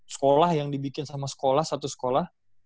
sekolah yang dibikin sama sekolah satu sekolah